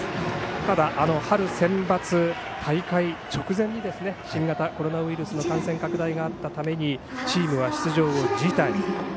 ただ、春センバツ大会直前に新型コロナウイルスの感染拡大があったためにチームは出場を辞退。